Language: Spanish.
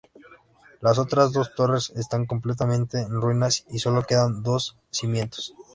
Las otras dos torres están completamente en ruinas y sólo quedan los cimientos.